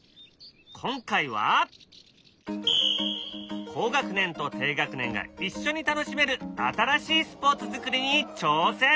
今回は高学年と低学年が一緒に楽しめる新しいスポーツ作りに挑戦！